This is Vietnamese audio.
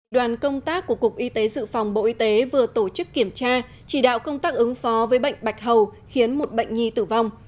đoàn công tác của cục y tế dự phòng bộ y tế vừa tổ chức kiểm tra chỉ đạo công tác ứng phó với bệnh bạch hầu khiến một bệnh nhi tử vong